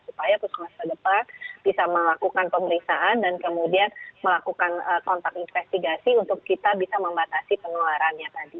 supaya puskemasa depan bisa melakukan pemeriksaan dan kemudian melakukan kontak investigasi untuk kita bisa membatasi penularannya tadi